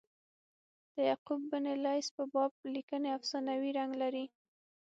د یعقوب بن لیث په باب لیکني افسانوي رنګ لري.